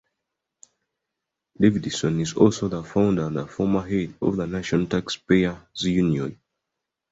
Davidson is also the founder and former head of the National Taxpayers Union.